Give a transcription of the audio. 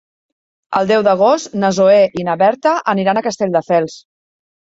El deu d'agost na Zoè i na Berta aniran a Castelldefels.